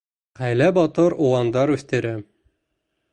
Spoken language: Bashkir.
Ғаилә батыр уландар үҫтерә.